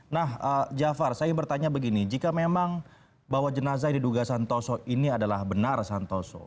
nah jafar saya ingin bertanya begini jika memang bahwa jenazah yang diduga santoso ini adalah benar santoso